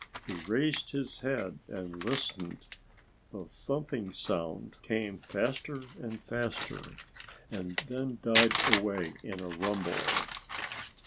He raised his head and listened. The thumping sound came faster and faster, then died away in a rumble.